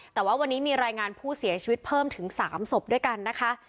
แต่ว่าวันนี้มีรายงานผู้เสียชีวิตเพิ่มถึง๓ศพด้วยกันนะคะ